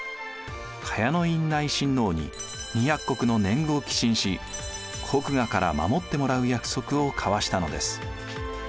高陽院内親王に２００石の年貢を寄進し国衙から守ってもらう約束を交わしたのです。